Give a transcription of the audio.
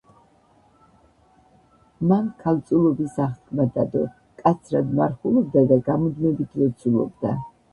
მან ქალწულობის აღთქმა დადო, მკაცრად მარხულობდა და გამუდმებით ლოცულობდა.